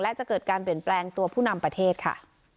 และจะเกิดการเปลี่ยนแปลงตัวผู้นำประเทศค่ะ